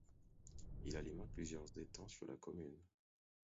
Il alimente plusieurs étangs sur la commune.